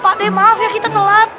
pak d maaf ya kita telat